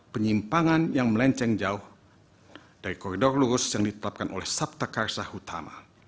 penyimpangan yang melenceng jauh dari koridor lurus yang ditetapkan oleh sabta karsa utama